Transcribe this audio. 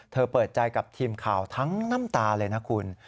เปิดใจกับทีมข่าวทั้งน้ำตาเลยนะคุณ